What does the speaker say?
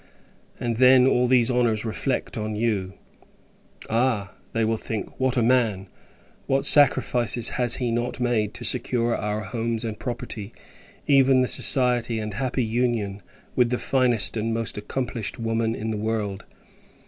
And, then, all these honours reflect on you. "Ah!" they will think; "what a man! what sacrifices has he not made, to secure our homes and property; even the society and happy union with the finest and most accomplished woman in the world."